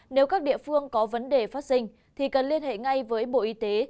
nếu các địa phương có vấn đề phát sinh thì cần liên hệ ngay với bộ y tế